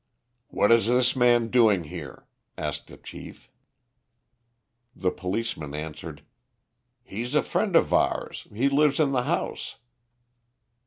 "What is this man doing here?" asked the Chief. The policeman answered, "He's a friend of ours; he lives in the house."